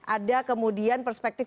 ada kemudian perspektif